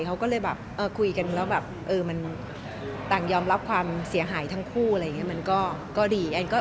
เขาก็เลยคุยกันแล้วต่างยอมรับความเสียหายทั้งคู่มันก็ดี